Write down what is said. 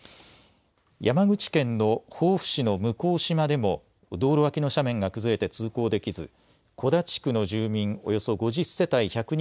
山口県の防府市の向島でも道路脇の斜面が崩れて通行できず小田地区の１０人